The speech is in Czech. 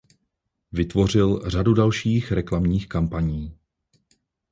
Vytvořil řadu dalších reklamních kampaní.